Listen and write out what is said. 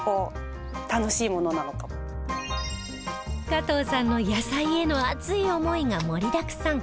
加藤さんの野菜への熱い思いが盛りだくさん